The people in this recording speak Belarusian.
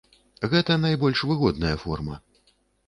Гэта найбольш выгодная форма.